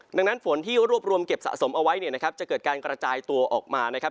ดังนั้นฝนที่รวบรวมเก็บสะสมเอาไว้เนี่ยนะครับจะเกิดการกระจายตัวออกมานะครับ